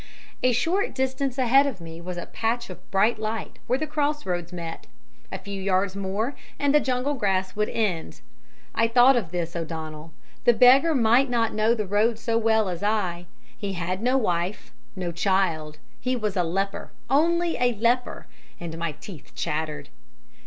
"A short distance ahead of me was a patch of bright light, where the cross roads met. A few yards more and the jungle grass would end. "I thought of this, O'Donnell the beggar might not know the road so well as I. He had no wife, no child; he was a leper, only a leper and my teeth chattered.